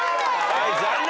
はい残念。